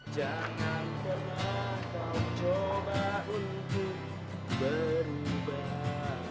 jangan pernah kau coba untuk berubah